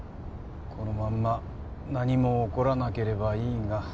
このまんま何も起こらなければいいが。